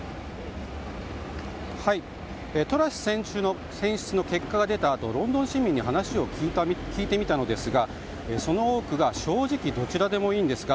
はい、トラス氏選出の結果が出たとロンドン市民に話を聞いてみたのですがその多くが正直どちらでもいいんですが